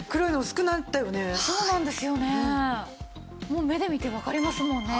もう目で見てわかりますもんね。